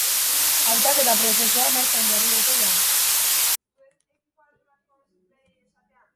Hautaketa prozesua martxan jarri dute jada.